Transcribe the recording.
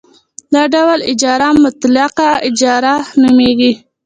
دا ډول اجاره مطلقه اجاره نومېږي